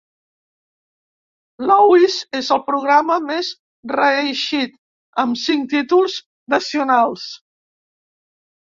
Louis és el programa més reeixit, amb cinc títols nacionals.